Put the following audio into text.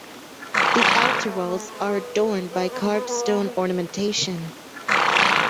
The outer walls are adorned by carved stone ornamentation.